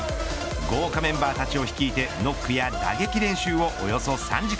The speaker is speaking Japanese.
豪華メンバーたちを率いてノックや打撃練習をおよそ３時間。